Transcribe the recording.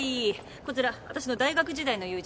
こちら私の大学時代の友人